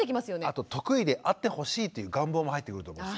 あと得意であってほしいという願望も入ってくると思います。